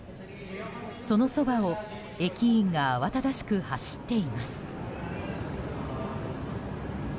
そのそばを駅員が慌ただしく走っています。